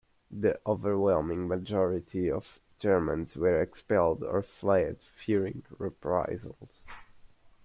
The overwhelming majority of Germans were expelled or fled, fearing reprisals.